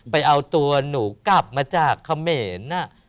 ไปเอาตัวหนูกลับมาจากเขมร